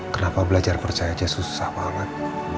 kenapa belajar percaya aja susah banget